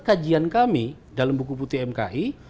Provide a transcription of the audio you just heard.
kajian kami dalam buku putih mki